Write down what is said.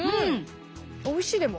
おいしいでも。